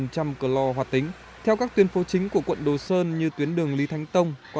chlor hoạt tính theo các tuyến phố chính của quận đồ sơn như tuyến đường lý thánh tông qua